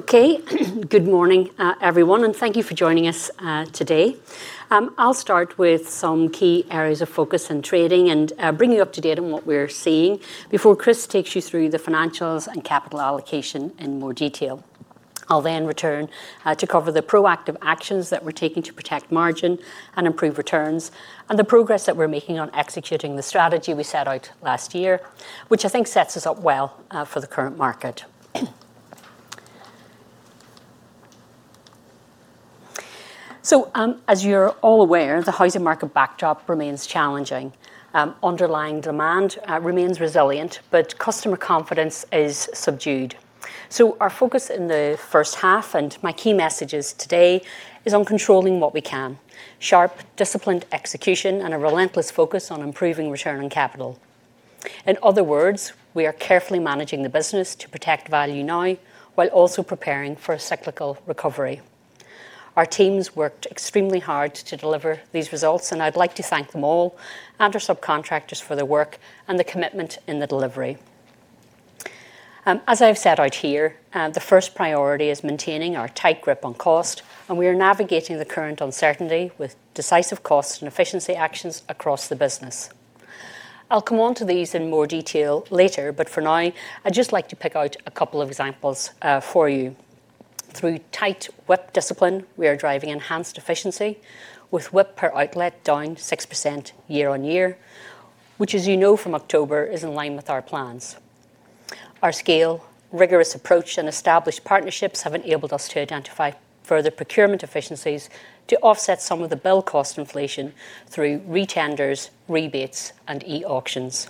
Good morning, everyone, and thank you for joining us today. I'll start with some key areas of focus and trading and bring you up to date on what we're seeing before Chris takes you through the financials and capital allocation in more detail. I'll then return to cover the proactive actions that we're taking to protect margin and improve returns and the progress that we're making on executing the strategy we set out last year, which I think sets us up well for the current market. As you're all aware, the housing market backdrop remains challenging. Underlying demand remains resilient, customer confidence is subdued. Our focus in the first half, and my key messages today, is on controlling what we can. Sharp, disciplined execution and a relentless focus on improving return on capital. In other words, we are carefully managing the business to protect value now while also preparing for a cyclical recovery. Our teams worked extremely hard to deliver these results, and I'd like to thank them all, and our subcontractors, for their work and the commitment in the delivery. As I've set out here, the first priority is maintaining our tight grip on cost, we are navigating the current uncertainty with decisive cost and efficiency actions across the business. I'll come onto these in more detail later, for now, I'd just like to pick out a couple of examples for you. Through tight WIP discipline, we are driving enhanced efficiency with WIP per outlet down 6% year-on-year, which, as you know from October, is in line with our plans. Our scale, rigorous approach, and established partnerships have enabled us to identify further procurement efficiencies to offset some of the build cost inflation through retenders, rebates, and e-auctions.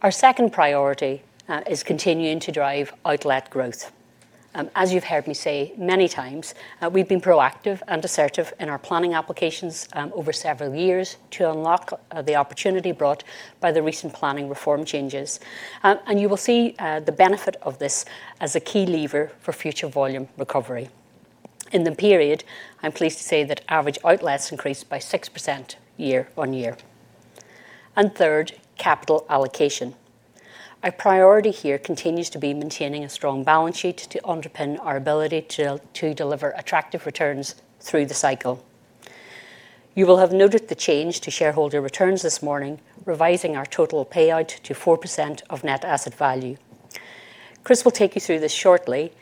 Our second priority is continuing to drive outlet growth. As you've heard me say many times, we've been proactive and assertive in our planning applications over several years to unlock the opportunity brought by the recent planning reform changes. You will see the benefit of this as a key lever for future volume recovery. In the period, I'm pleased to say that average outlets increased by 6% year-on-year. Third, capital allocation. Our priority here continues to be maintaining a strong balance sheet to underpin our ability to deliver attractive returns through the cycle. You will have noted the change to shareholder returns this morning, revising our total payout to 4% of net asset value. Chris will take you through this shortly,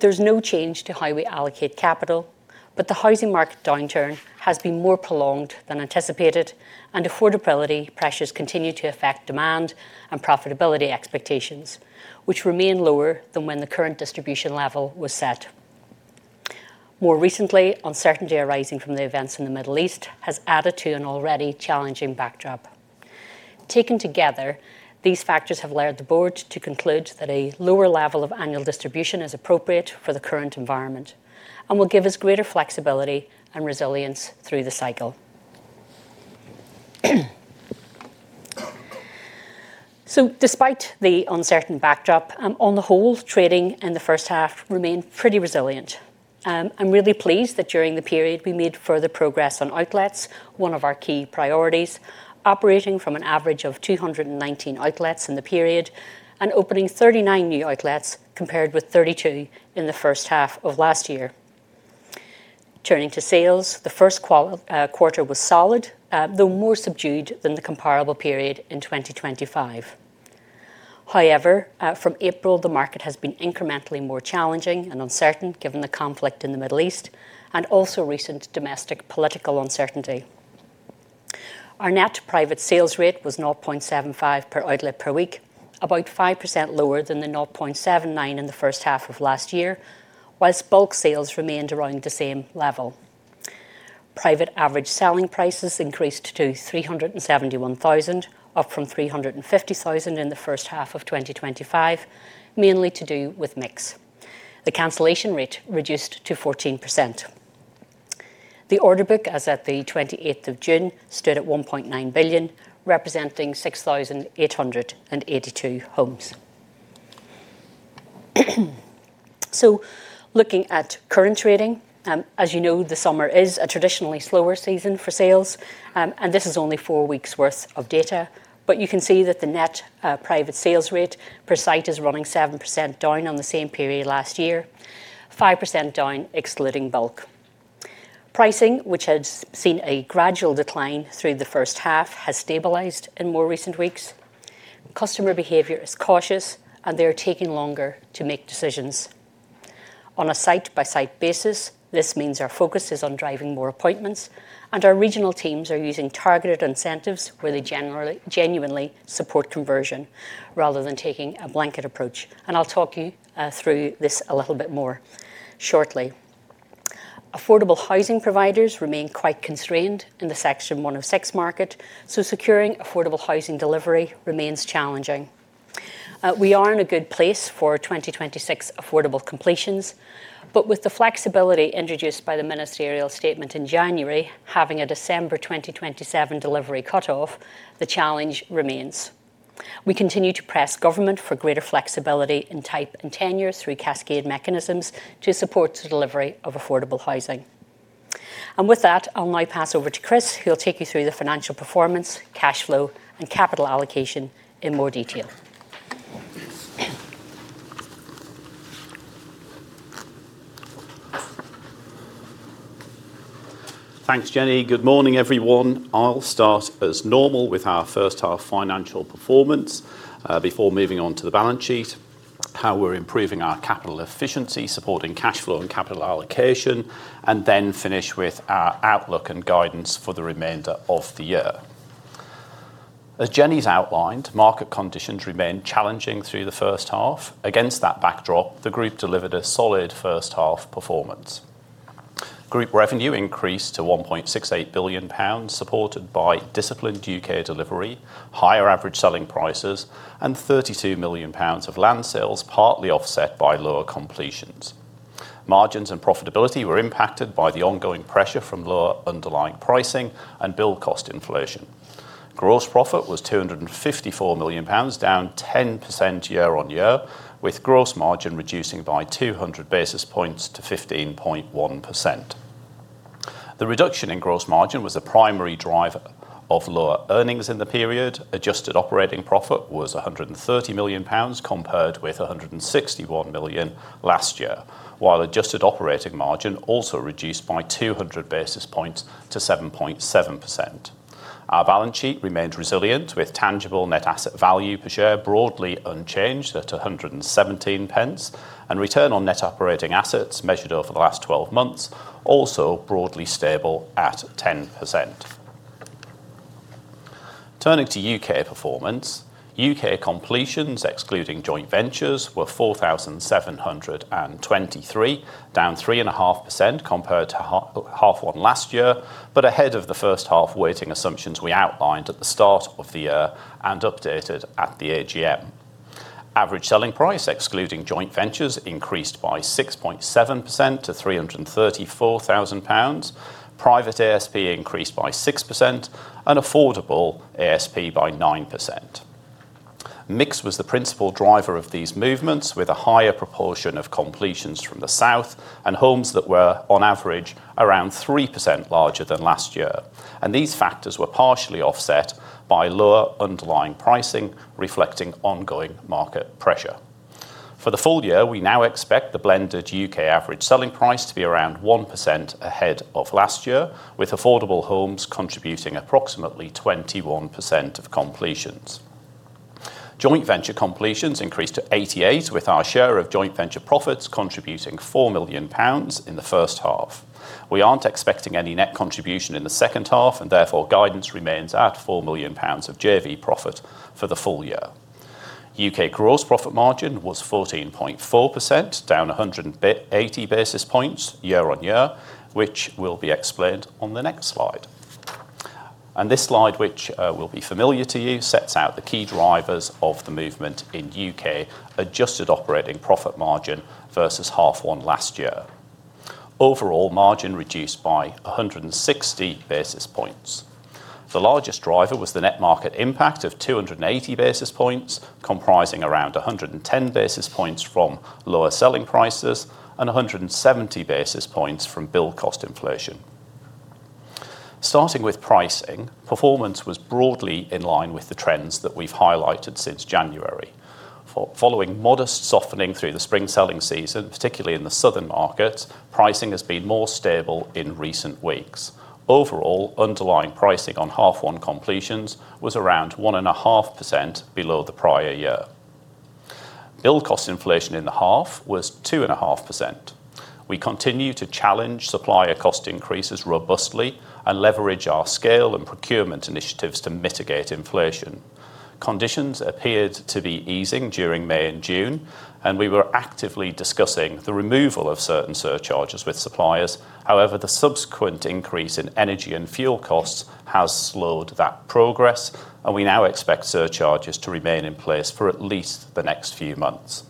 there's no change to how we allocate capital. The housing market downturn has been more prolonged than anticipated, affordability pressures continue to affect demand and profitability expectations, which remain lower than when the current distribution level was set. More recently, uncertainty arising from the events in the Middle East has added to an already challenging backdrop. Taken together, these factors have led the Board to conclude that a lower level of annual distribution is appropriate for the current environment and will give us greater flexibility and resilience through the cycle. Despite the uncertain backdrop, on the whole, trading in the first half remained pretty resilient. I'm really pleased that during the period we made further progress on outlets, one of our key priorities. Operating from an average of 219 outlets in the period, and opening 39 new outlets, compared with 32 in the first half of last year. Turning to sales, the first quarter was solid, though more subdued than the comparable period in 2025. However, from April, the market has been incrementally more challenging and uncertain given the conflict in the Middle East and also recent domestic political uncertainty. Our net private sales rate was 0.75 per outlet per week, about 5% lower than the 0.79 in the first half of last year, whilst bulk sales remained around the same level. Private average selling prices increased to 371,000, up from 350,000 in the first half of 2025, mainly to do with mix. The cancellation rate reduced to 14%. The order book, as at the 28th of June, stood at 1.9 billion, representing 6,882 homes. Looking at current trading, as you know, the summer is a traditionally slower season for sales, and this is only four weeks' worth of data. You can see that the net private sales rate per site is running 7% down on the same period last year, 5% down excluding bulk. Pricing, which has seen a gradual decline through the first half, has stabilized in more recent weeks. Customer behavior is cautious, and they are taking longer to make decisions. On a site-by-site basis, this means our focus is on driving more appointments, and our regional teams are using targeted incentives where they genuinely support conversion rather than taking a blanket approach. I'll talk you through this a little bit more shortly. Affordable housing providers remain quite constrained in the Section 106 market, securing affordable housing delivery remains challenging. We are in a good place for 2026 affordable completions, with the flexibility introduced by the ministerial statement in January, having a December 2027 delivery cutoff, the challenge remains. We continue to press government for greater flexibility in type and tenure through cascade mechanisms to support the delivery of affordable housing. With that, I'll now pass over to Chris, who'll take you through the financial performance, cash flow, and capital allocation in more detail. Thanks, Jennie. Good morning, everyone. I'll start as normal with our first half financial performance, before moving on to the balance sheet, how we're improving our capital efficiency, supporting cash flow and capital allocation, and then finish with our outlook and guidance for the remainder of the year. As Jennie's outlined, market conditions remained challenging through the first half. Against that backdrop, the group delivered a solid first half performance. Group revenue increased to 1.68 billion pounds, supported by disciplined U.K. delivery, higher average selling prices, and 32 million pounds of land sales, partly offset by lower completions. Margins and profitability were impacted by the ongoing pressure from lower underlying pricing and build cost inflation. Gross profit was 254 million pounds, down 10% year-on-year, with gross margin reducing by 200 basis points to 15.1%. The reduction in gross margin was a primary driver of lower earnings in the period. Adjusted operating profit was 130 million pounds, compared with 161 million last year. While adjusted operating margin also reduced by 200 basis points to 7.7%. Our balance sheet remained resilient, with tangible net asset value per share broadly unchanged at 1.17. Return on net operating assets measured over the last 12 months, also broadly stable at 10%. Turning to U.K. performance. U.K. completions, excluding joint ventures, were 4,723, down 3.5% compared to half one last year, but ahead of the first half weighting assumptions we outlined at the start of the year and updated at the AGM. Average selling price, excluding joint ventures, increased by 6.7% to 334,000 pounds. Private ASP increased by 6% and affordable ASP by 9%. Mix was the principal driver of these movements, with a higher proportion of completions from the south and homes that were, on average, around 3% larger than last year and these factors were partially offset by lower underlying pricing, reflecting ongoing market pressure. For the full year, we now expect the blended U.K. average selling price to be around 1% ahead of last year, with affordable homes contributing approximately 21% of completions. Joint venture completions increased to 88, with our share of joint venture profits contributing 4 million pounds in the first half. We are not expecting any net contribution in the second half, and therefore, guidance remains at 4 million pounds of JV profit for the full year. U.K. gross profit margin was 14.4%, down 180 basis points year-on-year, which will be explained on the next slide. This slide, which will be familiar to you, sets out the key drivers of the movement in U.K. adjusted operating profit margin versus half one last year. Overall margin reduced by 160 basis points. The largest driver was the net market impact of 280 basis points, comprising around 110 basis points from lower selling prices and 170 basis points from build cost inflation. Starting with pricing, performance was broadly in line with the trends that we have highlighted since January. Following modest softening through the spring selling season, particularly in the southern market, pricing has been more stable in recent weeks. Overall, underlying pricing on half one completions was around 1.5% below the prior year. Build cost inflation in the half was 2.5%. We continue to challenge supplier cost increases robustly and leverage our scale and procurement initiatives to mitigate inflation. Conditions appeared to be easing during May and June, and we were actively discussing the removal of certain surcharges with suppliers. However, the subsequent increase in energy and fuel costs has slowed that progress, and we now expect surcharges to remain in place for at least the next few months.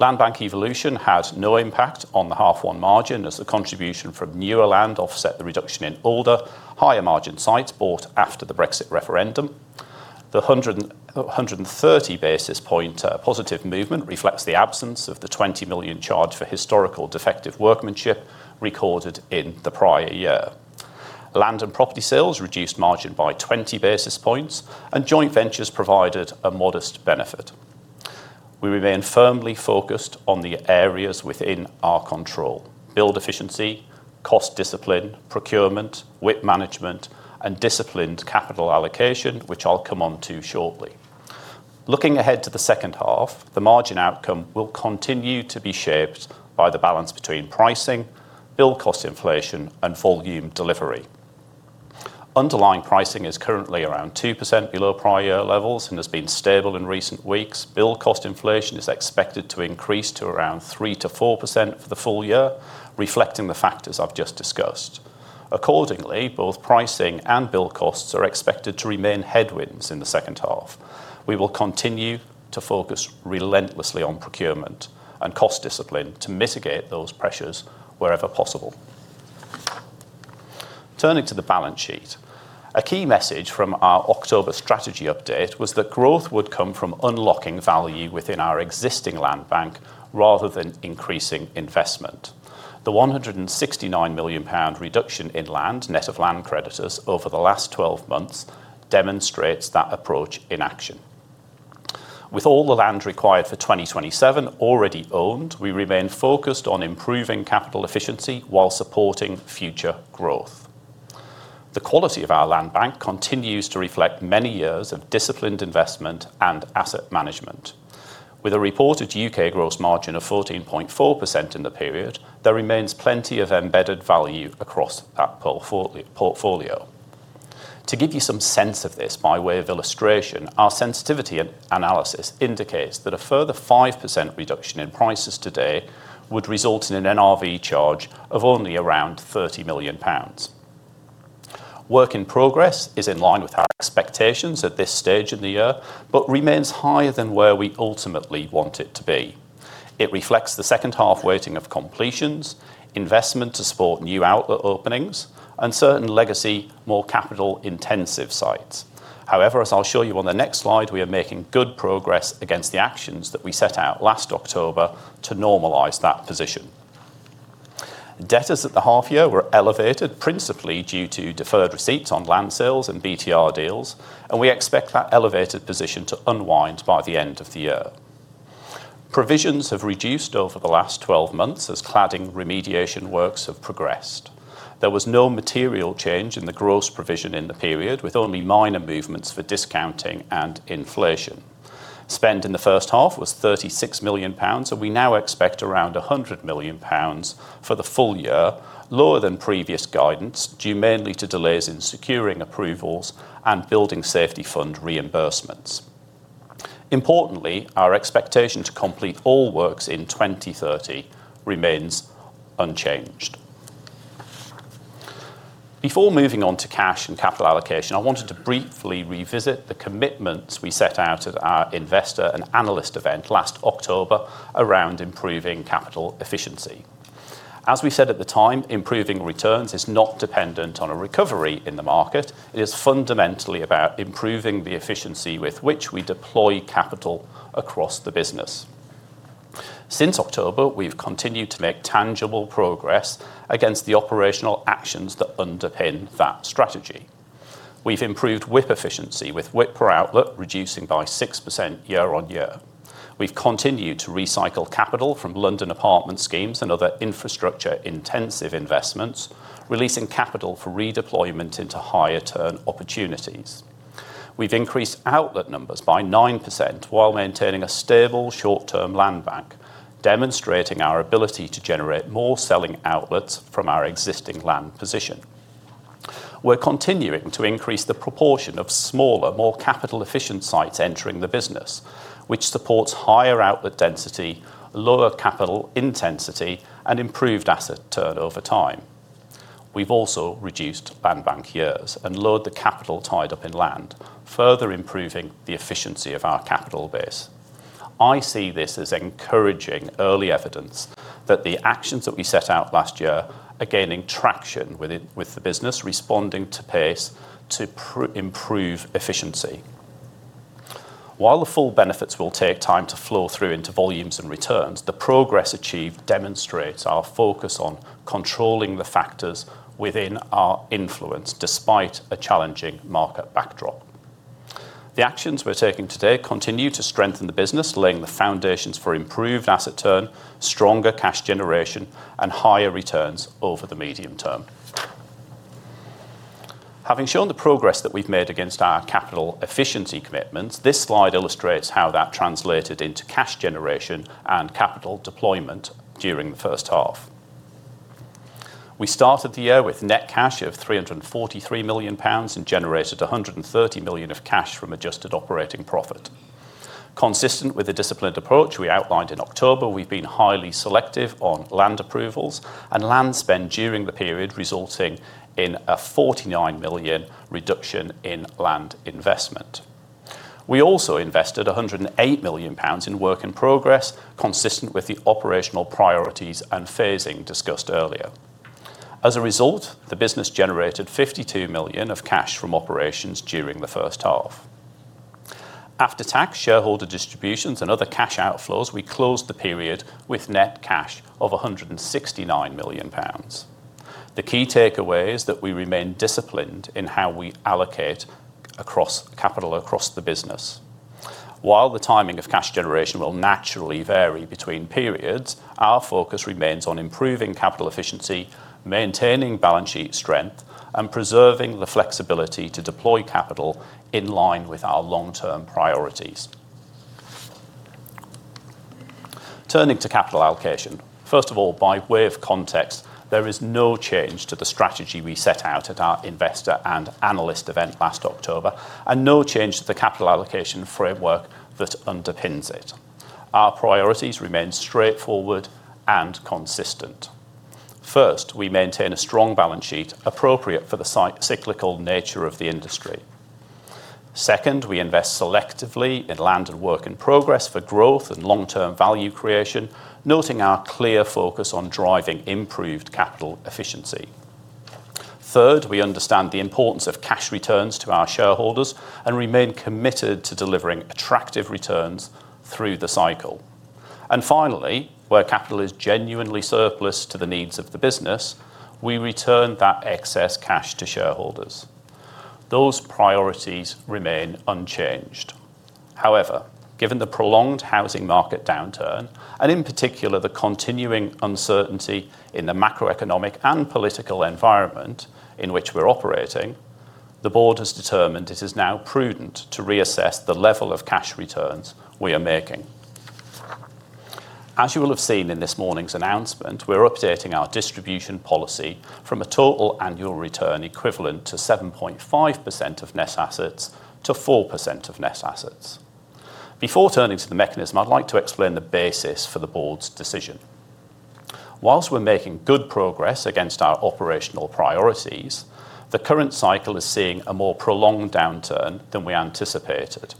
Land bank evolution had no impact on the half one margin, as the contribution from newer land offset the reduction in older, higher margin sites bought after the Brexit referendum. The 130 basis point positive movement reflects the absence of the 20 million charge for historical defective workmanship recorded in the prior year. Land and property sales reduced margin by 20 basis points, and joint ventures provided a modest benefit. We remain firmly focused on the areas within our control. Build efficiency, cost discipline, procurement, WIP management, and disciplined capital allocation, which I will come on to shortly. Looking ahead to the second half, the margin outcome will continue to be shaped by the balance between pricing, build cost inflation, and full volume delivery. Underlying pricing is currently around 2% below prior year levels and has been stable in recent weeks. Build cost inflation is expected to increase to around 3% to 4% for the full year, reflecting the factors I've just discussed. Accordingly, both pricing and build costs are expected to remain headwinds in the second half. We will continue to focus relentlessly on procurement and cost discipline to mitigate those pressures wherever possible. Turning to the balance sheet. A key message from our October strategy update was that growth would come from unlocking value within our existing land bank rather than increasing investment. The 169 million pound reduction in land, net of land creditors, over the last 12 months demonstrates that approach in action. With all the land required for 2027 already owned, we remain focused on improving capital efficiency while supporting future growth. The quality of our land bank continues to reflect many years of disciplined investment and asset management. With a reported U.K. gross margin of 14.4% in the period, there remains plenty of embedded value across that portfolio. To give you some sense of this by way of illustration, our sensitivity analysis indicates that a further 5% reduction in prices today would result in an NRV charge of only around 30 million pounds. Work in progress is in line with our expectations at this stage in the year, but remains higher than where we ultimately want it to be. It reflects the second half weighting of completions, investment to support new outlet openings, and certain legacy, more capital intensive sites, however as I'll show you on the next slide, we are making good progress against the actions that we set out last October to normalize that position. Debtors at the half year were elevated, principally due to deferred receipts on land sales and BTR deals, and we expect that elevated position to unwind by the end of the year. Provisions have reduced over the last 12 months as cladding remediation works have progressed. There was no material change in the gross provision in the period, with only minor movements for discounting and inflation. Spend in the first half was 36 million pounds, and we now expect around 100 million pounds for the full year, lower than previous guidance, due mainly to delays in securing approvals and building safety fund reimbursements. Importantly, our expectation to complete all works in 2030 remains unchanged. Before moving on to cash and capital allocation, I wanted to briefly revisit the commitments we set out at our investor and analyst event last October around improving capital efficiency. As we said at the time, improving returns is not dependent on a recovery in the market. It is fundamentally about improving the efficiency with which we deploy capital across the business. Since October, we've continued to make tangible progress against the operational actions that underpin that strategy. We've improved WIP efficiency, with WIP per outlet reducing by 6% year-on-year. We've continued to recycle capital from London apartment schemes and other infrastructure intensive investments, releasing capital for redeployment into higher turn opportunities. We've increased outlet numbers by 9% while maintaining a stable short-term land bank, demonstrating our ability to generate more selling outlets from our existing land position. We're continuing to increase the proportion of smaller, more capital efficient sites entering the business, which supports higher outlet density, lower capital intensity, and improved asset turnover time. We've also reduced land bank years and lowered the capital tied up in land, further improving the efficiency of our capital base. I see this as encouraging early evidence that the actions that we set out last year are gaining traction with the business responding to pace to improve efficiency. While the full benefits will take time to flow through into volumes and returns, the progress achieved demonstrates our focus on controlling the factors within our influence despite a challenging market backdrop. The actions we're taking today continue to strengthen the business, laying the foundations for improved asset turn, stronger cash generation, and higher returns over the medium term. Having shown the progress that we've made against our capital efficiency commitments, this slide illustrates how that translated into cash generation and capital deployment during the first half. We started the year with net cash of 343 million pounds and generated 130 million of cash from adjusted operating profit. Consistent with the disciplined approach we outlined in October, we've been highly selective on land approvals and land spend during the period, resulting in a 49 million reduction in land investment. We also invested 108 million pounds in work in progress, consistent with the operational priorities and phasing discussed earlier. As a result, the business generated 52 million of cash from operations during the first half. After tax, shareholder distributions, and other cash outflows, we closed the period with net cash of 169 million pounds. The key takeaway is that we remain disciplined in how we allocate capital across the business. While the timing of cash generation will naturally vary between periods, our focus remains on improving capital efficiency, maintaining balance sheet strength, and preserving the flexibility to deploy capital in line with our long-term priorities. Turning to capital allocation. First of all, by way of context, there is no change to the strategy we set out at our investor and analyst event last October, and no change to the capital allocation framework that underpins it. Our priorities remain straightforward and consistent. First, we maintain a strong balance sheet appropriate for the cyclical nature of the industry. Second, we invest selectively in land and work in progress for growth and long-term value creation, noting our clear focus on driving improved capital efficiency. Third, we understand the importance of cash returns to our shareholders and remain committed to delivering attractive returns through the cycle. Finally, where capital is genuinely surplus to the needs of the business, we return that excess cash to shareholders. Those priorities remain unchanged, however given the prolonged housing market downturn and, in particular, the continuing uncertainty in the macroeconomic and political environment in which we're operating, the Board has determined it is now prudent to reassess the level of cash returns we are making. As you will have seen in this morning's announcement, we're updating our distribution policy from a total annual return equivalent to 7.5% of net assets to 4% of net assets. Before turning to the mechanism, I'd like to explain the basis for the Board's decision. While we're making good progress against our operational priorities, the current cycle is seeing a more prolonged downturn than we anticipated,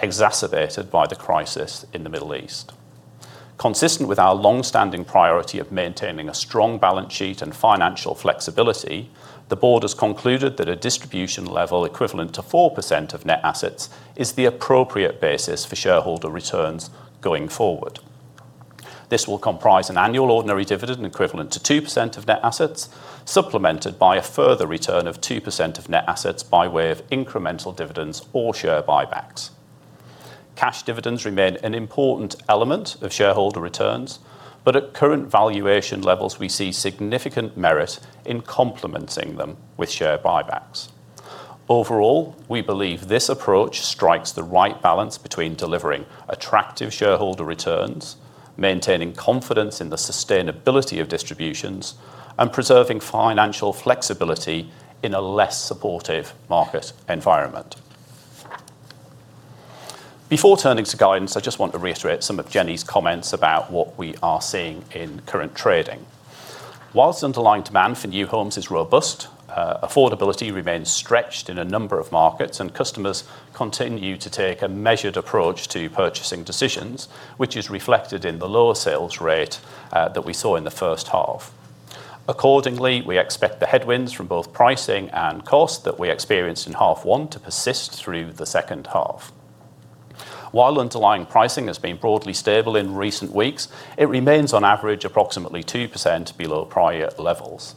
exacerbated by the crisis in the Middle East. Consistent with our longstanding priority of maintaining a strong balance sheet and financial flexibility, the Board has concluded that a distribution level equivalent to 4% of net assets is the appropriate basis for shareholder returns going forward. This will comprise an annual ordinary dividend equivalent to 2% of net assets, supplemented by a further return of 2% of net assets by way of incremental dividends or share buybacks. At current valuation levels, we see significant merit in complementing them with share buybacks. Overall, we believe this approach strikes the right balance between delivering attractive shareholder returns, maintaining confidence in the sustainability of distributions, and preserving financial flexibility in a less supportive market environment. Before turning to guidance, I just want to reiterate some of Jennie's comments about what we are seeing in current trading. Whilst underlying demand for new homes is robust, affordability remains stretched in a number of markets, and customers continue to take a measured approach to purchasing decisions, which is reflected in the lower sales rate that we saw in the first half. Accordingly, we expect the headwinds from both pricing and cost that we experienced in H1 to persist through the second half. While underlying pricing has been broadly stable in recent weeks, it remains on average approximately 2% below prior levels.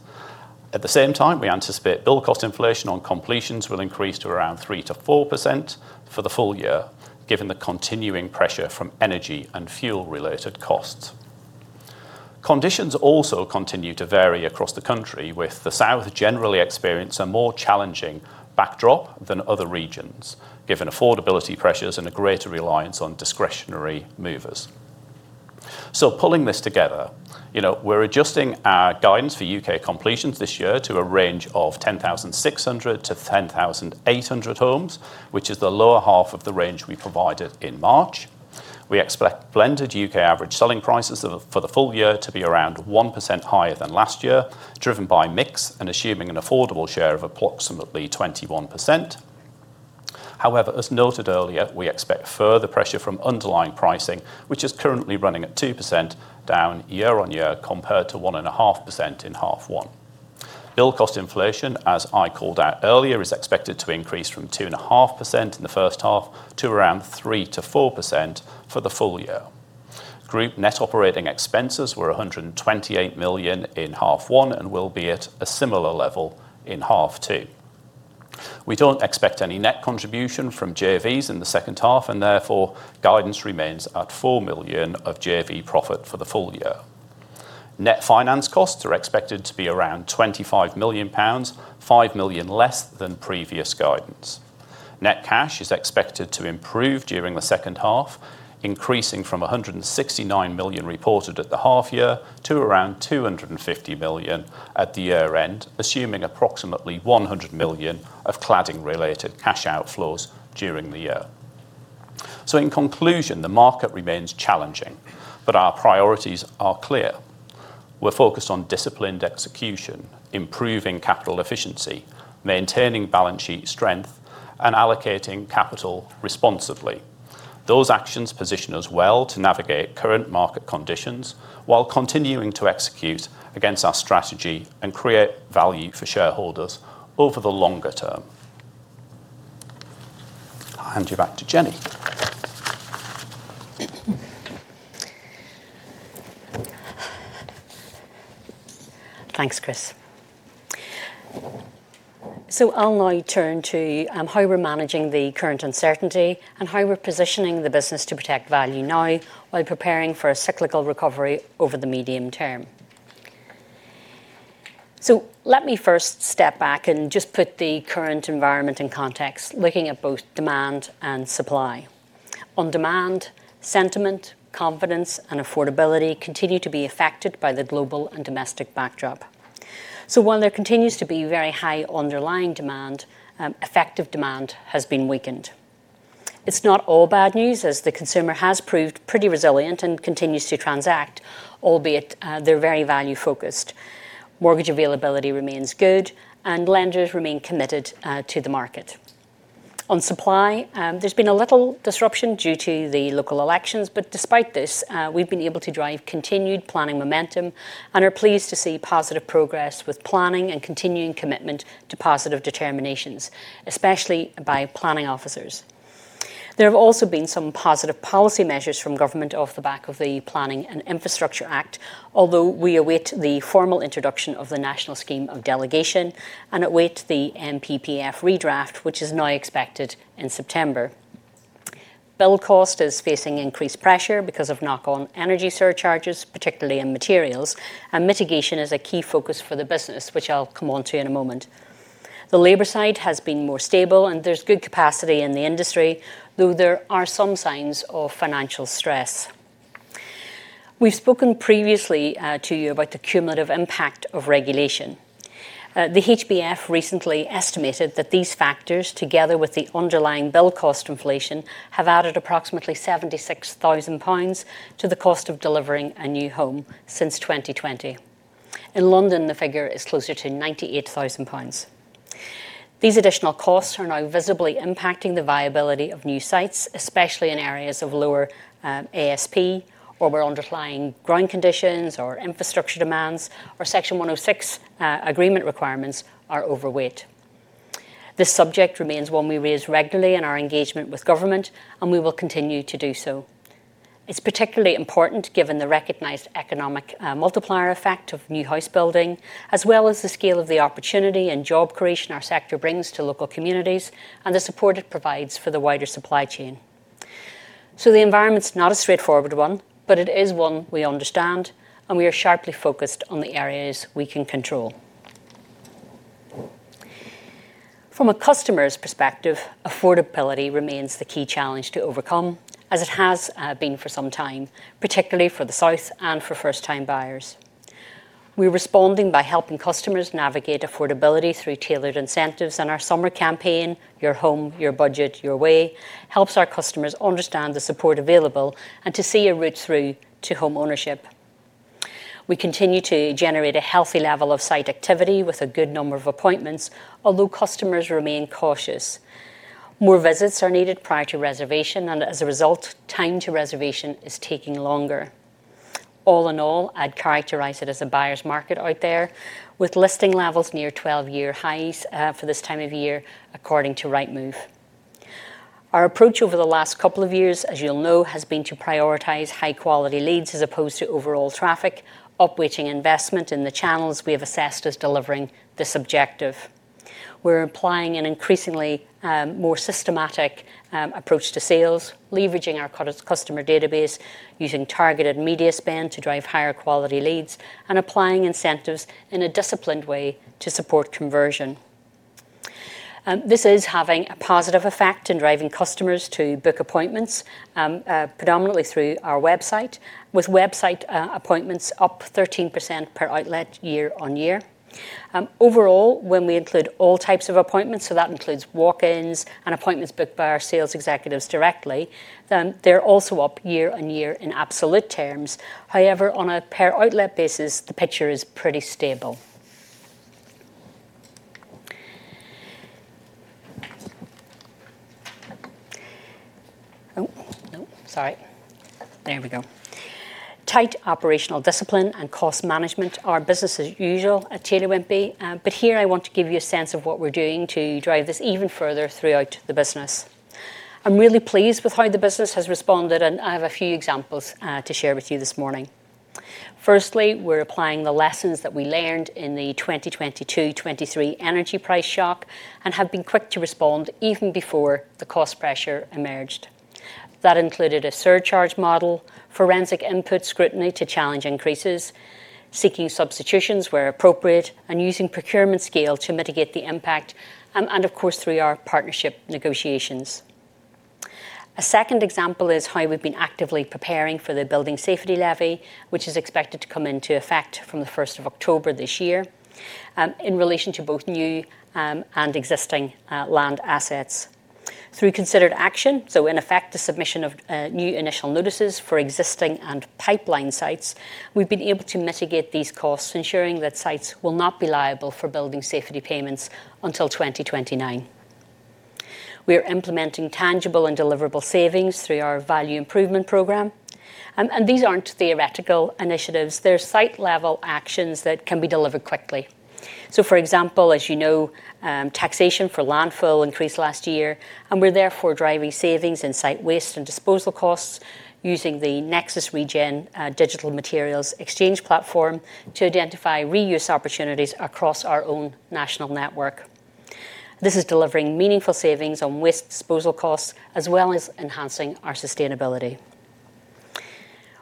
At the same time, we anticipate build cost inflation on completions will increase to around 3%-4% for the full year, given the continuing pressure from energy and fuel related costs. Conditions also continue to vary across the country, with the south generally experiencing a more challenging backdrop than other regions, given affordability pressures and a greater reliance on discretionary movers. Pulling this together, we're adjusting our guidance for U.K. completions this year to a range of 10,600-10,800 homes, which is the lower half of the range we provided in March. We expect blended U.K. average selling prices for the full year to be around 1% higher than last year, driven by mix and assuming an affordable share of approximately 21%. However, as noted earlier, we expect further pressure from underlying pricing, which is currently running at 2% down year-on-year compared to 1.5% in H1. Build cost inflation, as I called out earlier, is expected to increase from 2.5% in the first half to around 3%-4% for the full year. Group net operating expenses were 128 million in H1 and will be at a similar level in H2. We don't expect any net contribution from JVs in the second half, and therefore, guidance remains at 4 million of JV profit for the full year. Net finance costs are expected to be around 25 million pounds, 5 million less than previous guidance. Net cash is expected to improve during the second half, increasing from 169 million reported at the half year to around 250 million at the year end, assuming approximately 100 million of cladding related cash outflows during the year. In conclusion, the market remains challenging, but our priorities are clear. We're focused on disciplined execution, improving capital efficiency, maintaining balance sheet strength, and allocating capital responsively. Those actions position us well to navigate current market conditions while continuing to execute against our strategy and create value for shareholders over the longer term. I'll hand you back to Jennie. Thanks, Chris. I'll now turn to how we're managing the current uncertainty and how we're positioning the business to protect value now while preparing for a cyclical recovery over the medium term. Let me first step back and just put the current environment in context, looking at both demand and supply. On demand, sentiment, confidence, and affordability continue to be affected by the global and domestic backdrop. While there continues to be very high underlying demand, effective demand has been weakened. It's not all bad news as the consumer has proved pretty resilient and continues to transact, albeit they're very value focused. Mortgage availability remains good and lenders remain committed to the market. On supply, there's been a little disruption due to the local elections, but despite this, we've been able to drive continued planning momentum and are pleased to see positive progress with planning and continuing commitment to positive determinations, especially by planning officers. There have also been some positive policy measures from government off the back of the Planning and Infrastructure Act, although we await the formal introduction of the National Scheme of Delegation and await the NPPF redraft, which is now expected in September. Build cost is facing increased pressure because of knock-on energy surcharges, particularly in materials, and mitigation is a key focus for the business, which I'll come onto in a moment. The labor side has been more stable and there's good capacity in the industry, though there are some signs of financial stress. We've spoken previously to you about the cumulative impact of regulation. The HBF recently estimated that these factors, together with the underlying build cost inflation, have added approximately 76,000 pounds to the cost of delivering a new home since 2020. In London, the figure is closer to 98,000 pounds. These additional costs are now visibly impacting the viability of new sites, especially in areas of lower ASP, or where underlying ground conditions or infrastructure demands or Section 106 agreement requirements are overweight. This subject remains one we raise regularly in our engagement with government, and we will continue to do so. It's particularly important given the recognized economic multiplier effect of new house building, as well as the scale of the opportunity and job creation our sector brings to local communities, and the support it provides for the wider supply chain. The environment's not a straightforward one, but it is one we understand, and we are sharply focused on the areas we can control. From a customer's perspective, affordability remains the key challenge to overcome, as it has been for some time, particularly for the south and for first time buyers. We're responding by helping customers navigate affordability through tailored incentives and our summer campaign, "Your Home, Your Budget, Your Way" helps our customers understand the support available and to see a route through to home ownership. We continue to generate a healthy level of site activity with a good number of appointments, although customers remain cautious. More visits are needed prior to reservation, and as a result, time to reservation is taking longer. All in all, I'd characterize it as a buyer's market out there with listing levels near 12-year highs for this time of year, according to Rightmove. Our approach over the last couple of years, as you'll know, has been to prioritize high quality leads as opposed to overall traffic, upweighting investment in the channels we have assessed as delivering this objective. We're applying an increasingly more systematic approach to sales, leveraging our customer database using targeted media spend to drive higher quality leads and applying incentives in a disciplined way to support conversion. This is having a positive effect in driving customers to book appointments, predominantly through our website, with website appointments up 13% per outlet year-on-year. Overall, when we include all types of appointments, so that includes walk-ins and appointments booked by our sales executives directly, they're also up year-on-year in absolute terms, however, on a per outlet basis, the picture is pretty stable. Tight operational discipline and cost management are business as usual at Taylor Wimpey. Here I want to give you a sense of what we're doing to drive this even further throughout the business. I'm really pleased with how the business has responded. I have a few examples to share with you this morning. Firstly, we're applying the lessons that we learned in the 2022/2023 energy price shock and have been quick to respond even before the cost pressure emerged. That included a surcharge model, forensic input scrutiny to challenge increases, seeking substitutions where appropriate, using procurement scale to mitigate the impact, of course, through our partnership negotiations. A second example is how we've been actively preparing for the Building Safety Levy, which is expected to come into effect from the 1st of October this year, in relation to both new and existing land assets. Through considered action, so in effect, the submission of new initial notices for existing and pipeline sites, we've been able to mitigate these costs, ensuring that sites will not be liable for building safety payments until 2029. We are implementing tangible and deliverable savings through our value improvement program and these aren't theoretical initiatives. They're site-level actions that can be delivered quickly. For example, as you know, taxation for landfill increased last year, we're therefore driving savings in site waste and disposal costs using the Nexus ReGen digital materials exchange platform to identify reuse opportunities across our own national network. This is delivering meaningful savings on waste disposal costs as well as enhancing our sustainability.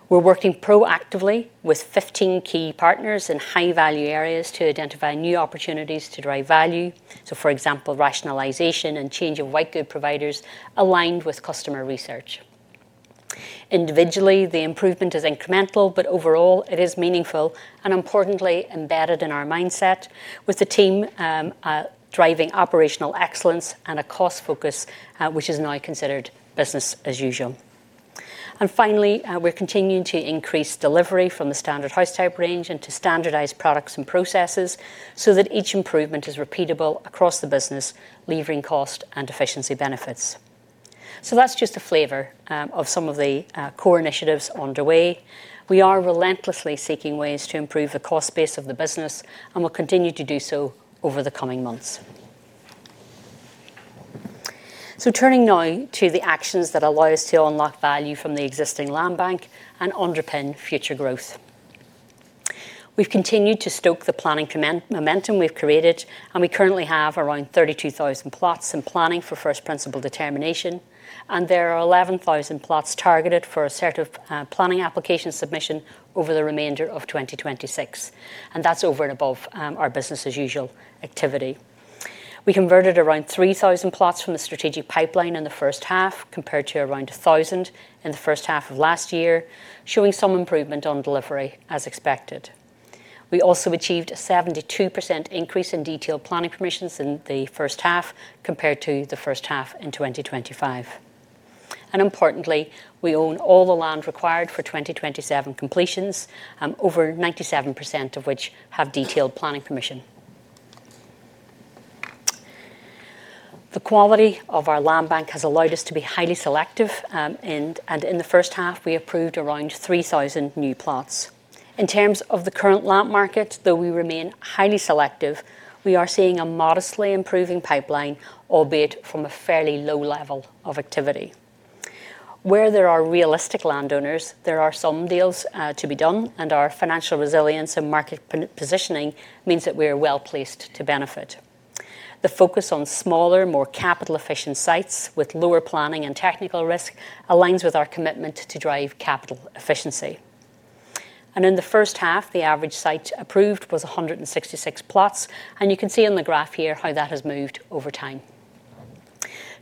We're working proactively with 15 key partners in high-value areas to identify new opportunities to drive value. For example, rationalization and change of white-good providers aligned with customer research. Individually, the improvement is incremental, but overall, it is meaningful, importantly embedded in our mindset with the team driving operational excellence and a cost focus, which is now considered business as usual. Finally, we're continuing to increase delivery from the standard house-type range into standardized products and processes so that each improvement is repeatable across the business, levering cost and efficiency benefits. That's just a flavor of some of the core initiatives underway. We are relentlessly seeking ways to improve the cost base of the business and will continue to do so over the coming months. Turning now to the actions that allow us to unlock value from the existing land bank and underpin future growth. We've continued to stoke the planning momentum we've created, and we currently have around 32,000 plots in planning for first principle determination, and there are 11,000 plots targeted for assertive planning application submission over the remainder of 2026, and that's over and above our business as usual activity. We converted around 3,000 plots from the strategic pipeline in the first half, compared to around 1,000 in the first half of last year, showing some improvement on delivery as expected. We also achieved a 72% increase in detailed planning permissions in the first half compared to the first half in 2025. Importantly, we own all the land required for 2027 completions, over 97% of which have detailed planning permission. The quality of our land bank has allowed us to be highly selective, and in the first half, we approved around 3,000 new plots. In terms of the current land market, though we remain highly selective, we are seeing a modestly improving pipeline, albeit from a fairly low level of activity. Where there are realistic landowners, there are some deals to be done, and our financial resilience and market positioning means that we are well-placed to benefit. The focus on smaller, more capital-efficient sites with lower planning and technical risk aligns with our commitment to drive capital efficiency. In the first half, the average site approved was 166 plots, and you can see on the graph here how that has moved over time.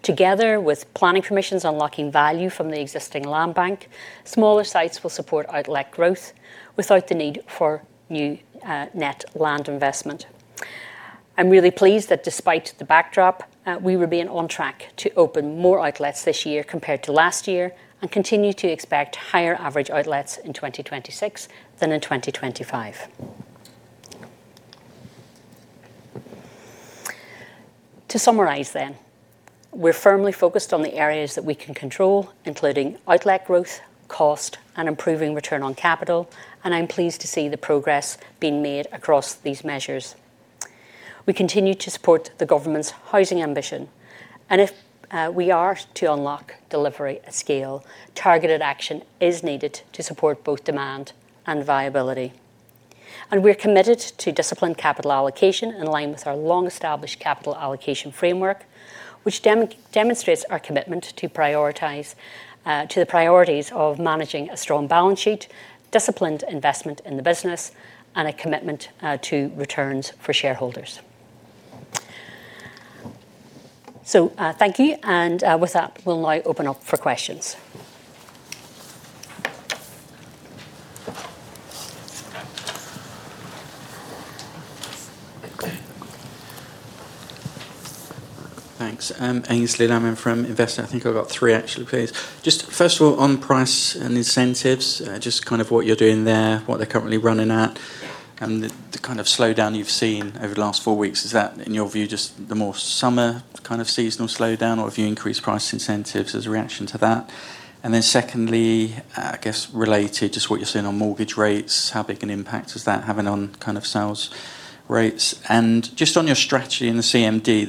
Together with planning permissions, unlocking value from the existing land bank, smaller sites will support outlet growth without the need for new net land investment. I'm really pleased that despite the backdrop, we were being on track to open more outlets this year compared to last year and continue to expect higher average outlets in 2026 than in 2025. To summarize then, we're firmly focused on the areas that we can control, including outlet growth, cost, and improving return on capital, and I'm pleased to see the progress being made across these measures. We continue to support the government's housing ambition, and if we are to unlock delivery at scale, targeted action is needed to support both demand and viability. We're committed to disciplined capital allocation in line with our long-established capital allocation framework, which demonstrates our commitment to the priorities of managing a strong balance sheet, disciplined investment in the business, and a commitment to returns for shareholders. Thank you. With that, we'll now open up for questions. Thanks. I'm, Aynsley Lammin from Investec. I think I've got three, actually, please. First of all, on price and incentives, just what you're doing there, what they're currently running at, and the kind of slowdown you've seen over the last four weeks. Is that, in your view, just the more summer kind of seasonal slowdown, or have you increased price incentives as a reaction to that? Then secondly, I guess related, just what you're seeing on mortgage rates. How big an impact is that having on sales rates? Just on your strategy in the CMD,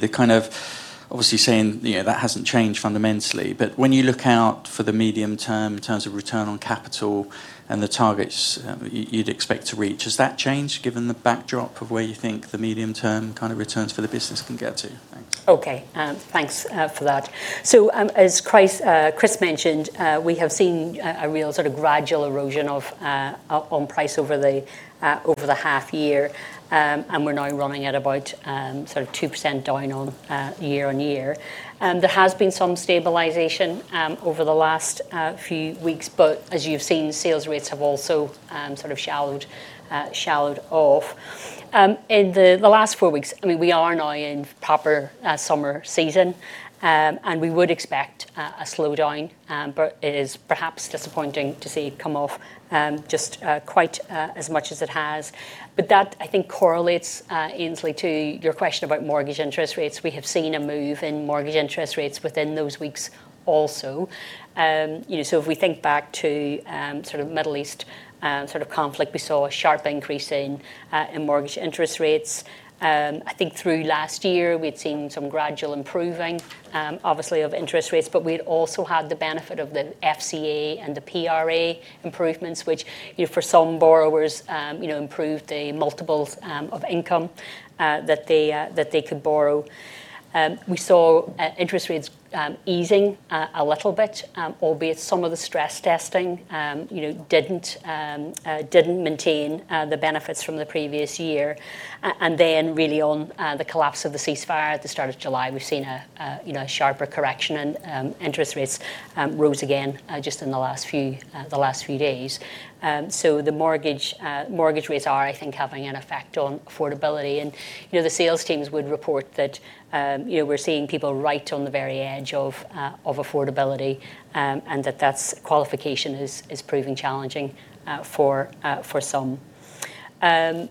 obviously saying that hasn't changed fundamentally, but when you look out for the medium term in terms of return on capital and the targets you'd expect to reach, has that changed given the backdrop of where you think the medium term returns for the business can get to? Thanks. Okay. Thanks for that. As Chris mentioned, we have seen a real sort of gradual erosion on price over the half year, and we are now running at about 2% down on year-over-year. There has been some stabilization over the last few weeks. As you've seen, sales rates have also sort of shallowed off. In the last four weeks, we are now in proper summer season, and we would expect a slowdown, but it is perhaps disappointing to see it come off just quite as much as it has. That, I think, correlates, Aynsley, to your question about mortgage interest rates. We have seen a move in mortgage interest rates within those weeks also. If we think back to Middle East conflict, we saw a sharp increase in mortgage interest rates. I think through last year, we'd seen some gradual improving, obviously, of interest rates, but we'd also had the benefit of the FCA and the PRA improvements, which for some borrowers improved the multiples of income that they could borrow. We saw interest rates easing a little bit, albeit some of the stress testing didn't maintain the benefits from the previous year. Really on the collapse of the ceasefire at the start of July, we've seen a sharper correction and interest rates rose again just in the last few days. The mortgage rates are, I think, having an effect on affordability. The sales teams would report that we're seeing people right on the very edge of affordability, and that qualification is proving challenging for some. In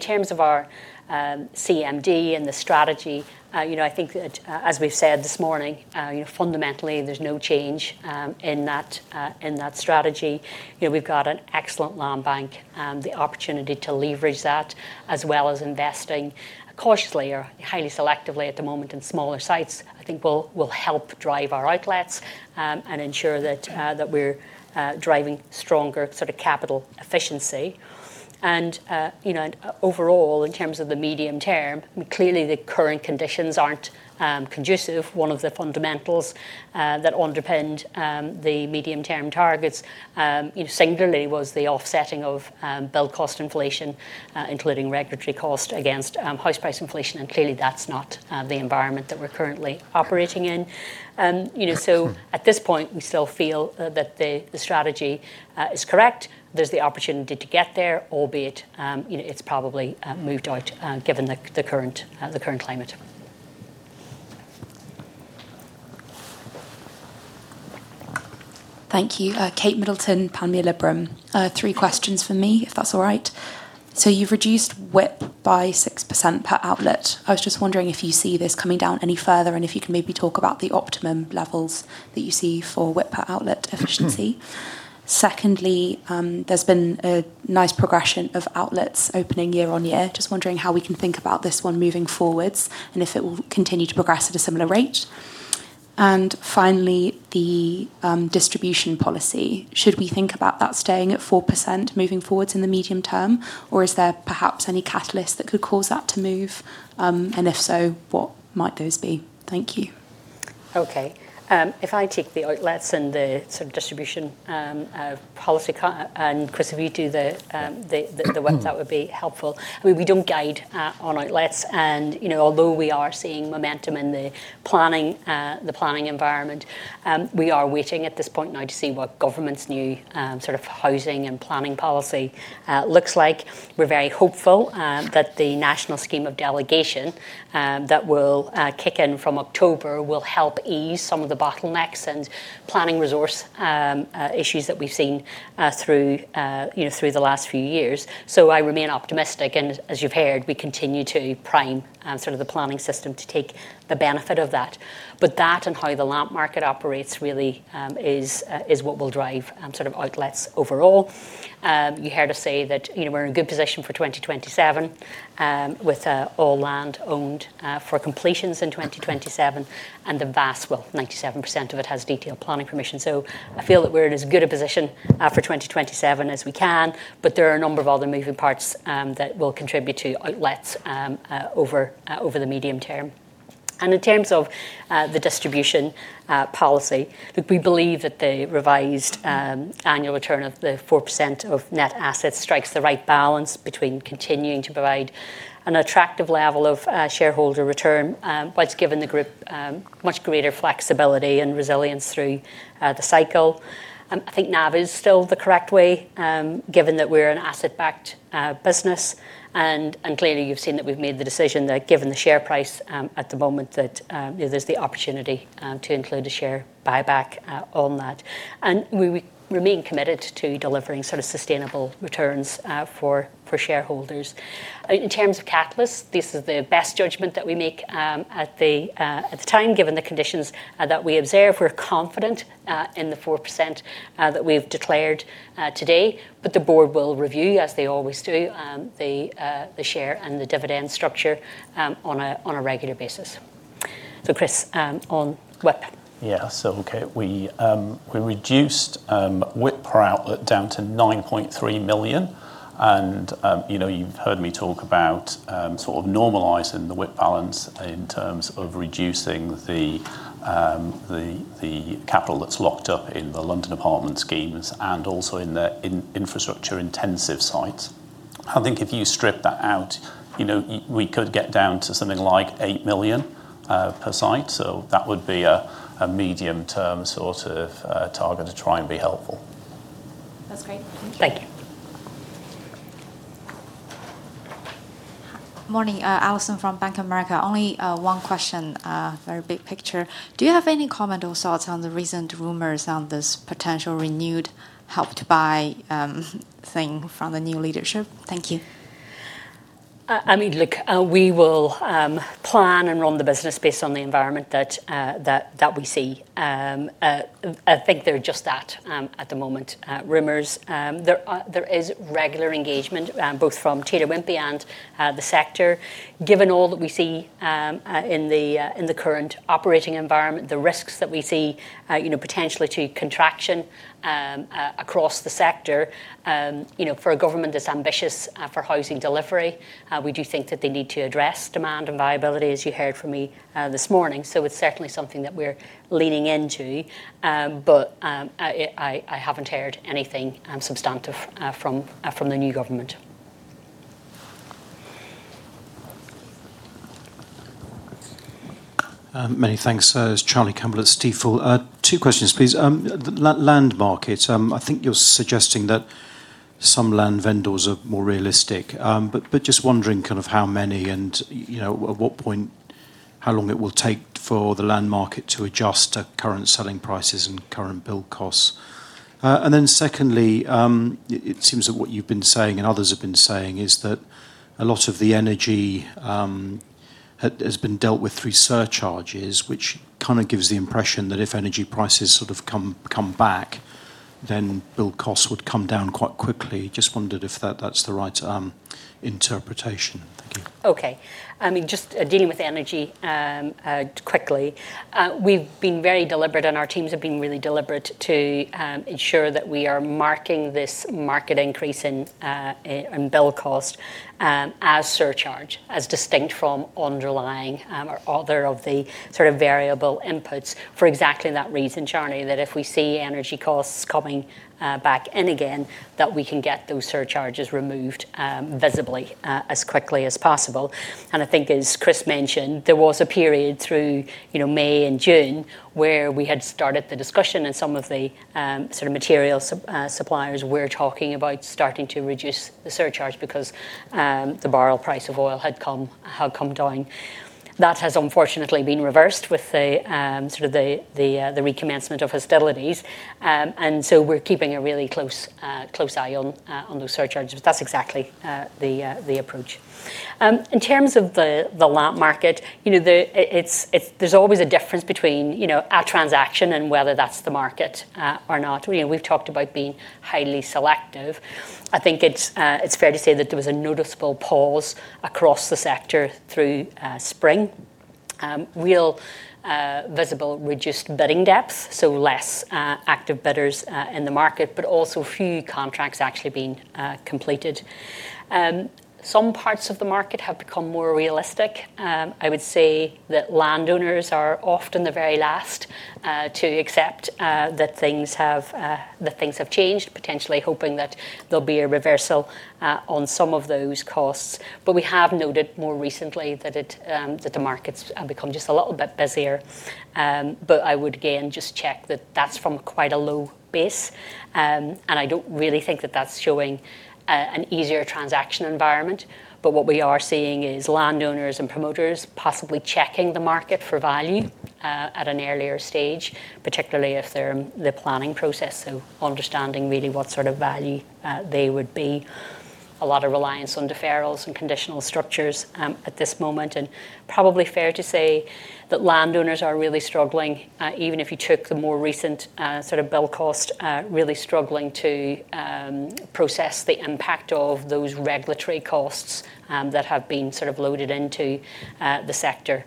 terms of our CMD and the strategy, I think that, as we've said this morning, fundamentally, there's no change in that strategy. We've got an excellent land bank and the opportunity to leverage that, as well as investing cautiously or highly selectively at the moment in smaller sites, I think will help drive our outlets and ensure that we're driving stronger capital efficiency. Overall, in terms of the medium term, clearly the current conditions aren't conducive. One of the fundamentals that underpinned the medium-term targets singularly was the offsetting of build cost inflation, including regulatory cost against house price inflation. Clearly, that's not the environment that we're currently operating in. At this point, we still feel that the strategy is correct. There's the opportunity to get there, albeit it's probably moved out given the current climate. Thank you. Kate Middleton, Panmure Gordon. Three questions from me, if that's all right. You've reduced WIP by 6% per outlet. I was just wondering if you see this coming down any further, and if you can maybe talk about the optimum levels that you see for WIP per outlet efficiency. Secondly, there's been a nice progression of outlets opening year-on-year. Just wondering how we can think about this one moving forwards and if it will continue to progress at a similar rate. Finally, the distribution policy. Should we think about that staying at 4% moving forwards in the medium term, or is there perhaps any catalyst that could cause that to move? If so, what might those be? Thank you. Okay. If I take the outlets and the distribution policy, Chris, if you do the- Yeah ...the WIP, that would be helpful. We don't guide on outlets. Although we are seeing momentum in the planning environment, we are waiting at this point now to see what government's new housing and planning policy looks like. We're very hopeful that the National Scheme of Delegation that will kick in from October will help ease some of the bottlenecks and planning resource issues that we've seen through the last few years. I remain optimistic, and as you've heard, we continue to prime the planning system to take the benefit of that. That and how the land market operates really is what will drive outlets overall. You heard us say that we're in a good position for 2027 with all land owned for completions in 2027, and the vast, well, 97% of it, has detailed planning permission. I feel that we're in as good a position for 2027 as we can. There are a number of other moving parts that will contribute to outlets over the medium term. In terms of the distribution policy, look, we believe that the revised annual return of the 4% of net assets strikes the right balance between continuing to provide an attractive level of shareholder return, whilst giving the group much greater flexibility and resilience through the cycle. I think NAV is still the correct way, given that we're an asset-backed business. Clearly, you've seen that we've made the decision that given the share price at the moment, that there's the opportunity to include a share buyback on that. We remain committed to delivering sustainable returns for shareholders. In terms of catalysts, this is the best judgment that we make at the time, given the conditions that we observe. We're confident in the 4% that we've declared today. The Board will review, as they always do, the share and the dividend structure on a regular basis. Chris, on WIP. Yeah. Okay, we reduced WIP per outlet down to 9.3 million. You've heard me talk about normalizing the WIP balance in terms of reducing the capital that's locked up in the London apartment schemes and also in the infrastructure intensive sites. I think if you strip that out, we could get down to something like 8 million per site so that would be a medium term target to try and be helpful. That's great. Thank you. Thank you. Morning. Allison from Bank of America. Only one question, very big picture. Do you have any comment or thoughts on the recent rumors on this potential renewed Help to Buy thing from the new leadership? Thank you. Look, we will plan and run the business based on the environment that we see. I think they're just that at the moment, rumors. There is regular engagement, both from Taylor Wimpey and the sector. Given all that we see in the current operating environment, the risks that we see potentially to contraction across the sector, for a government that's ambitious for housing delivery, we do think that they need to address demand and viability, as you heard from me this morning. It's certainly something that we're leaning into but I haven't heard anything substantive from the new government. Many thanks. It's Charlie Campbell at Stifel. Two questions, please. The land market. I think you're suggesting that some land vendors are more realistic. Just wondering how many and at what point how long it will take for the land market to adjust to current selling prices and current build costs. Secondly, it seems that what you've been saying, and others have been saying, is that a lot of the energy has been dealt with through surcharges, which gives the impression that if energy prices come back, then build costs would come down quite quickly. Just wondered if that's the right interpretation. Thank you. Okay. Just dealing with energy, quickly. We've been very deliberate, and our teams have been really deliberate to ensure that we are marking this market increase in build cost as surcharge, as distinct from underlying, or other of the variable inputs for exactly that reason, Charlie. That if we see energy costs coming back in again, that we can get those surcharges removed visibly, as quickly as possible. I think, as Chris mentioned, there was a period through May and June where we had started the discussion, and some of the material suppliers were talking about starting to reduce the surcharge because the barrel price of oil had come down. That has unfortunately been reversed with the recommencement of hostilities. We're keeping a really close eye on those surcharges. That's exactly the approach. In terms of the land market, there's always a difference between a transaction and whether that's the market or not. We've talked about being highly selective. I think it's fair to say that there was a noticeable pause across the sector through spring. Real visible reduced bidding depth, so less active bidders in the market, but also few contracts actually being completed. Some parts of the market have become more realistic. I would say that landowners are often the very last to accept that things have changed, potentially hoping that there'll be a reversal on some of those costs. We have noted more recently that the market's become just a little bit busier. I would, again, just check that that's from quite a low base. I don't really think that that's showing an easier transaction environment. What we are seeing is landowners and promoters possibly checking the market for value at an earlier stage, particularly if they're in the planning process, so understanding really what sort of value they would be. A lot of reliance on deferrals and conditional structures at this moment. Probably fair to say that landowners are really struggling, even if you took the more recent build cost, really struggling to process the impact of those regulatory costs that have been loaded into the sector.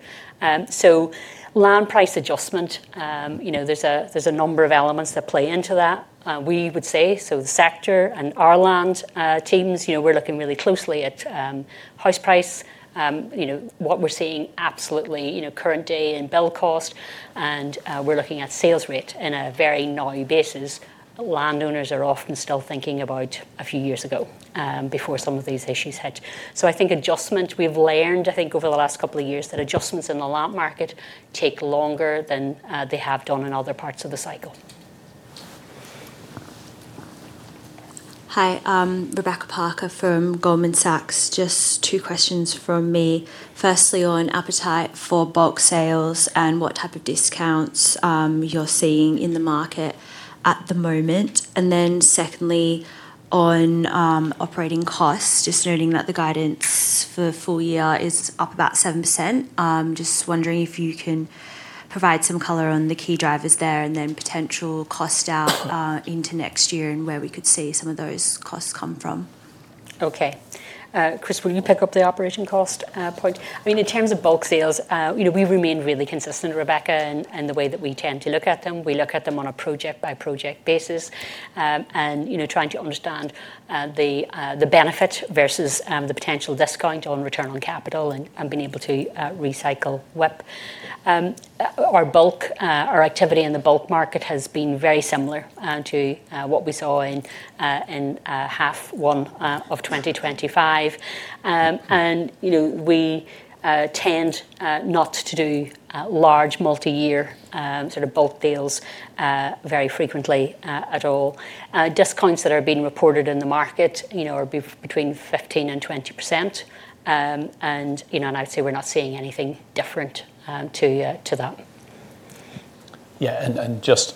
Land price adjustment. There's a number of elements that play into that, we would say. The sector and our land teams, we're looking really closely at house price. What we're seeing absolutely current day in build cost, and we're looking at sales rate in a very now basis. Landowners are often still thinking about a few years ago, before some of these issues hit. I think adjustment, we've learned, I think, over the last couple of years, that adjustments in the land market take longer than they have done in other parts of the cycle. Hi, Rebecca Parker from Goldman Sachs. Just two questions from me. Firstly, on appetite for bulk sales and what type of discounts you're seeing in the market at the moment. Secondly, on operating costs, just noting that the guidance for full year is up about 7%. Just wondering if you can provide some color on the key drivers there, and then potential cost out into next year, and where we could see some of those costs come from. Okay. Chris, will you pick up the operating cost point? In terms of bulk sales, we remain really consistent, Rebecca, in the way that we tend to look at them. We look at them on a project-by-project basis. Trying to understand the benefit versus the potential discount on return on capital and being able to recycle WIP. Our activity in the bulk market has been very similar to what we saw in H1 of 2025. We tend not to do large multi-year bulk deals very frequently at all. Discounts that are being reported in the market are between 15%-20%. I'd say we're not seeing anything different to that. Just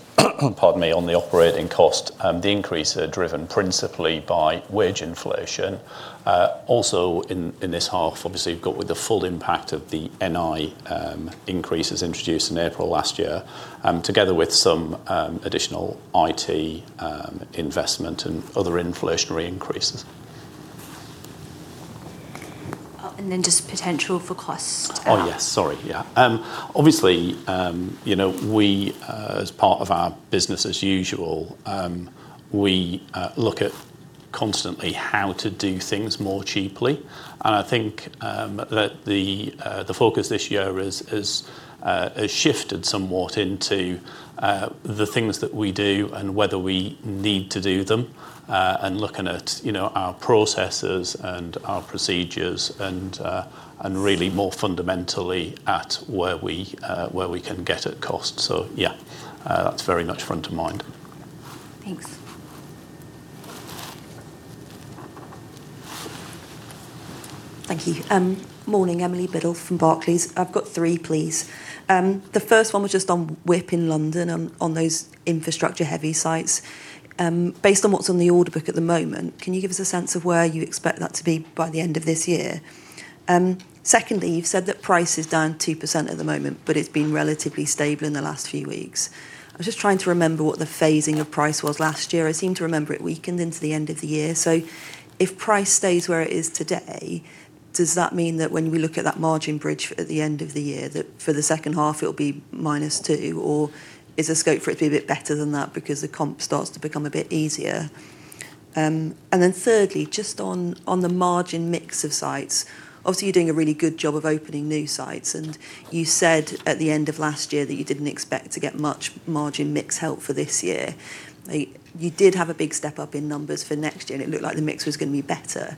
pardon me, on the operating cost. The increases are driven principally by wage inflation. Also in this half, obviously, you've got with the full impact of the NI increases introduced in April last year, together with some additional IT investment and other inflationary increases. Just potential for costs to come. Oh, yes. Sorry. Yeah. Obviously, we, as part of our business as usual, we look at constantly how to do things more cheaply. I think that the focus this year has shifted somewhat into the things that we do and whether we need to do them, and looking at our processes and our procedures and really more fundamentally at where we can get at cost. Yeah, that's very much front of mind. Thanks. Thank you. Morning, Emily Biddulph from Barclays. I've got three, please. The first one was just on WIP in London on those infrastructure heavy sites. Based on what's on the order book at the moment, can you give us a sense of where you expect that to be by the end of this year? Secondly, you've said that price is down 2% at the moment, but it's been relatively stable in the last few weeks. I was just trying to remember what the phasing of price was last year. I seem to remember it weakened into the end of the year. If price stays where it is today, does that mean that when we look at that margin bridge at the end of the year, that for the second half it'll be -2%, or is there scope for it to be a bit better than that because the comp starts to become a bit easier? Thirdly, just on the margin mix of sites, obviously, you're doing a really good job of opening new sites, and you said at the end of last year that you didn't expect to get much margin mix help for this year. You did have a big step up in numbers for next year, and it looked like the mix was going to be better.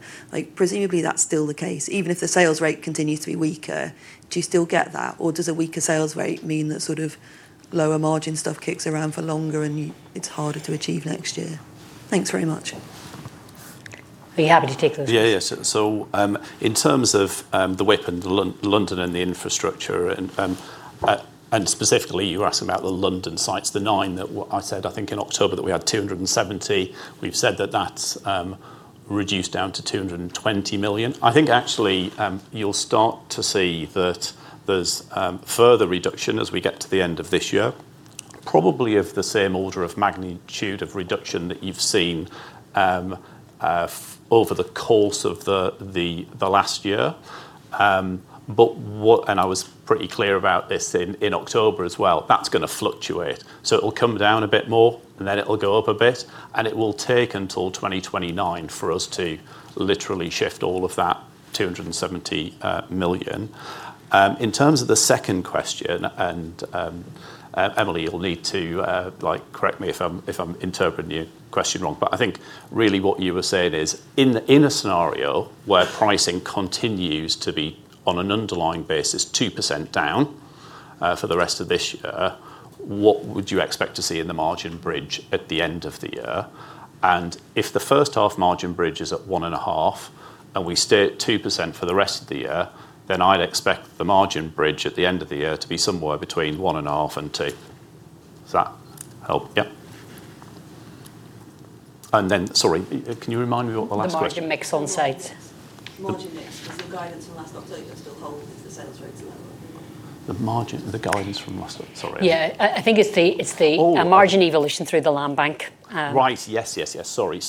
Presumably that's still the case. Even if the sales rate continues to be weaker, do you still get that, or does a weaker sales rate mean that lower margin stuff kicks around for longer and it's harder to achieve next year? Thanks very much. Are you happy to take those? Yeah. In terms of the WIP in London and the infrastructure, and specifically you were asking about the London sites, the nine that I said, I think in October, that we had 270. We've said that that's reduced down to 220 million. I think actually you'll start to see that there's further reduction as we get to the end of this year, probably of the same order of magnitude of reduction that you've seen over the course of the last year. I was pretty clear about this in October as well. That's going to fluctuate. It will come down a bit more, and then it will go up a bit, and it will take until 2029 for us to literally shift all of that 270 million. In terms of the second question, and Emily, you'll need to correct me if I'm interpreting your question wrong. I think really what you were saying is, in a scenario where pricing continues to be on an underlying basis 2% down for the rest of this year, what would you expect to see in the margin bridge at the end of the year? If the first half margin bridge is at 1.5% and we stay at 2% for the rest of the year, then I'd expect the margin bridge at the end of the year to be somewhere between 1.5% and 2%. Does that help? Yeah. Sorry, can you remind me what the last question- The margin mix on site Margin mix. Does the guidance from last October still hold if the sales rates are lower than expected? The margin, the guidance from last October. Sorry. Yeah, I think it's- Oh. ...margin evolution through the land bank. Right. Yes. Sorry.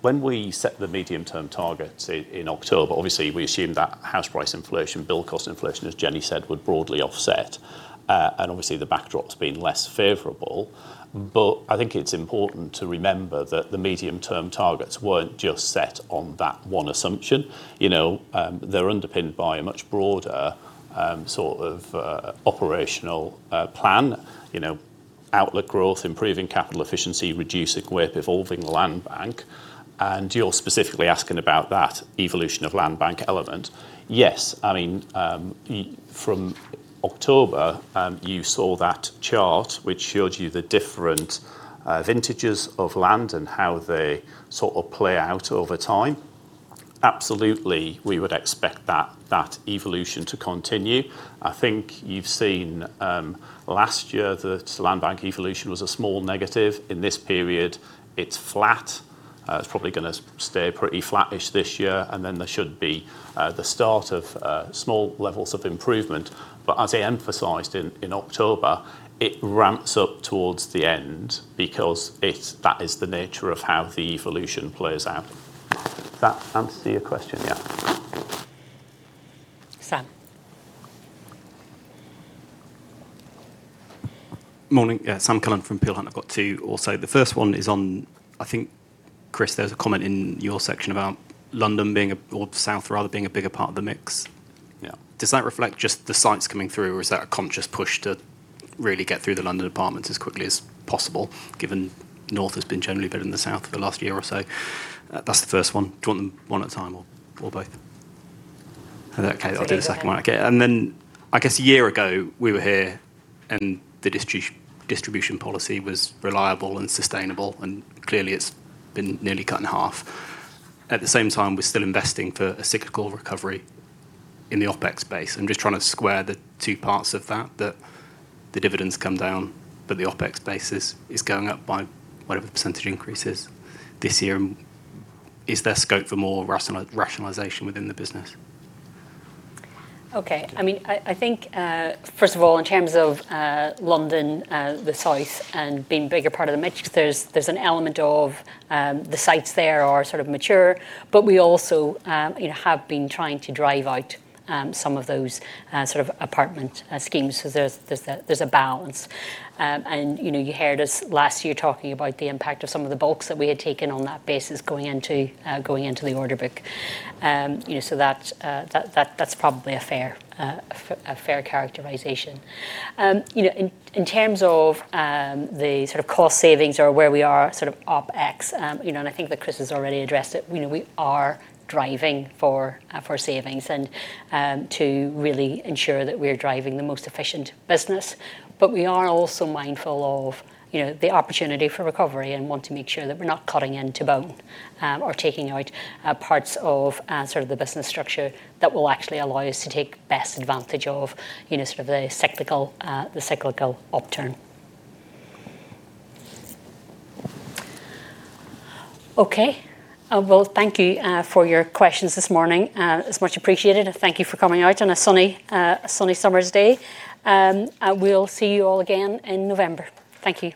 When we set the medium term targets in October, obviously we assumed that house price inflation, build cost inflation, as Jennie said, would broadly offset. Obviously the backdrop's been less favorable. I think it's important to remember that the medium term targets weren't just set on that one assumption. They're underpinned by a much broader operational plan. Outlook growth, improving capital efficiency, reducing WIP, evolving the land bank. You're specifically asking about that evolution of land bank element. Yes. From October, you saw that chart, which showed you the different vintages of land and how they play out over time. Absolutely, we would expect that evolution to continue. I think you've seen last year the land bank evolution was a small negative. In this period, it's flat. It's probably going to stay pretty flat-ish this year, and then there should be the start of small levels of improvement. As I emphasized in October, it ramps up towards the end because that is the nature of how the evolution plays out. Does that answer your question? Yeah. Sam. Morning. Yeah, Sam Cullen from Peel Hunt. I've got two also. The first one is on, I think, Chris, there was a comment in your section about London being, or the south rather, being a bigger part of the mix. Yeah. Does that reflect just the sites coming through, or is that a conscious push to really get through the London apartments as quickly as possible, given north has been generally better than the south for the last year or so? That's the first one. Do you want them one at a time or both? Okay, I'll do the second one. It's all right. Okay. I guess a year ago we were here and the distribution policy was reliable and sustainable, and clearly it's been nearly cut in half. At the same time, we're still investing for a cyclical recovery in the OpEx base. I'm just trying to square the two parts of that the dividend's come down, but the OpEx base is going up by whatever the percentage increase is this year. Is there scope for more rationalization within the business? Okay. I think, first of all, in terms of London, the south, and being a bigger part of the mix, there's an element of the sites there are sort of mature. We also have been trying to drive out some of those apartment schemes, so there's a balance. You heard us last year talking about the impact of some of the bulks that we had taken on that basis going into the order book. That's probably a fair characterization. In terms of the cost savings or where we are OpEx, I think that Chris has already addressed it. We are driving for savings and to really ensure that we are driving the most efficient business. We are also mindful of the opportunity for recovery and want to make sure that we're not cutting into bone, or taking out parts of the business structure that will actually allow us to take best advantage of the cyclical upturn. Okay. Well, thank you for your questions this morning. It's much appreciated, and thank you for coming out on a sunny summer's day. We'll see you all again in November. Thank you